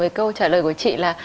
với câu trả lời của chị là